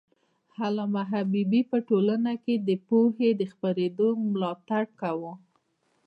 علامه حبيبي په ټولنه کي د پوهې د خپرېدو ملاتړ کاوه.